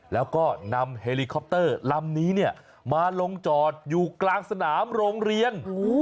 แล้วก็นำเฮลิคอปเตอร์ลำนี้มาลงจอดอยู่กลางสนามโรงเรียน